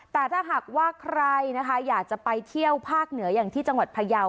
แต่ถ้าหากว่าใครนะคะอยากจะไปเที่ยวภาคเหนืออย่างที่จังหวัดพยาว